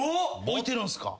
・置いてるんすか？